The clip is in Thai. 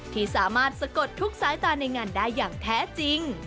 ที่สามารถสะกดทุกสายตาในงานได้อย่างแท้จริง